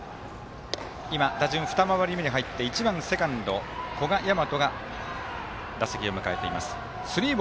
打順、２回り目に入って１番、セカンドの古賀也真人が打席を迎えています。